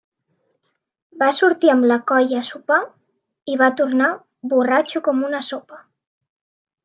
Va sortir amb la colla a sopar i va tornar borratxo com una sopa.